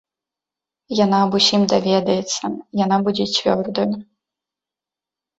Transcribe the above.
Яна аб усім даведаецца, яна будзе цвёрдаю.